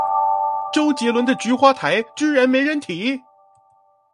周杰倫的菊花台居然沒人提？